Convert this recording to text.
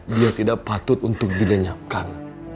dia tidak patut untuk dilenyapkan